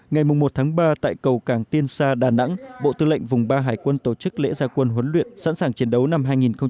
ngày một tháng ba tại cầu cảng tiên sa đà nẵng bộ tư lệnh vùng ba hải quân tổ chức lễ gia quân huấn luyện sẵn sàng chiến đấu năm hai nghìn hai mươi